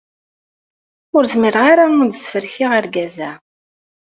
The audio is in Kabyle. Ur zmireɣ ara ad sferkeɣ argaz-a.